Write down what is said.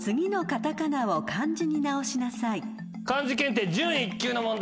漢字検定準１級の問題。